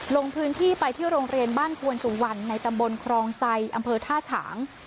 ลงพื้นที่ไปที่โรงเรียนบ้านควนสุวรรณในตำบลครองไซอำเภอท่าฉาง